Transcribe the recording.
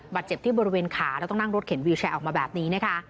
เจ็บที่บริเวณขาแล้วต้องนั่งรถเข็นวิวแชร์ออกมาแบบนี้นะคะ